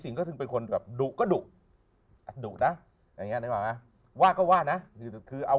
สิงก็ถึงเป็นคนแบบดุก็ดุดุนะอย่างนี้นะว่าก็ว่านะคือเอา